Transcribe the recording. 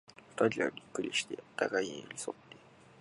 二人はびっくりして、互に寄り添って、